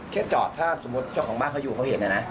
แค่จอดถ้าสมมุติเจ้าของบ้านเขาอยู่เขาเห็นนะนะ